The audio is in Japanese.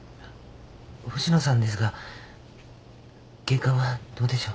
星野さんですが経過はどうでしょう？